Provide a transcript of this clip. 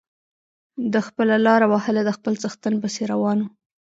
ده خپله لاره وهله د خپل څښتن پسې روان و.